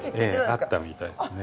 ええあったみたいですね。